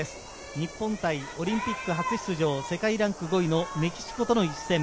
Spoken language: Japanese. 日本対オリンピック初出場、世界ランキング５位のメキシコとの一戦。